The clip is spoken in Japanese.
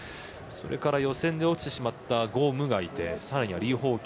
それから予選で落ちてしまった呉夢がいてさらには李方慧。